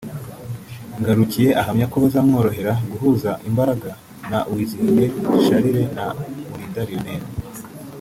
Ngarukiye ahamya ko bizamworohera guhuza imbaraga na Uwizihiwe Charles na Murinda Lionel